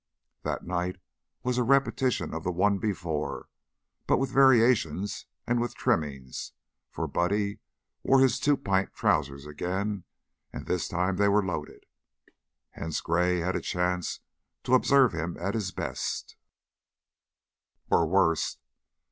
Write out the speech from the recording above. That night was a repetition of the one before, but with variations and with trimmings, for Buddy wore his "two pint trousers" again, and this time they were loaded, hence Gray had a chance to observe him at his best or worst.